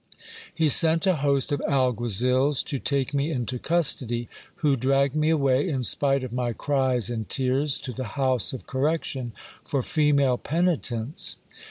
He sent a host of alguazils to take me into custody, who dragged me away, in spite of my cries and tears, to the house of correction for female penitents.